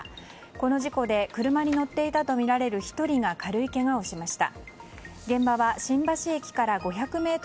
この事故で車に乗っていたとみられる１人が軽いけがをしました。